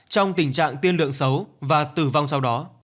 trong tình trạng tiên lượng xấu và tử vong sau đó